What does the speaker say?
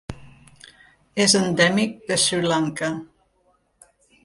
És endèmic de Sri Lanka.